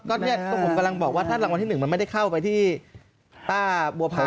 ก็เนี่ยผมกำลังบอกว่าถ้ารางวัลที่๑มันไม่ได้เข้าไปที่ป้าบัวพา